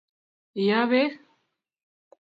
iyoo beek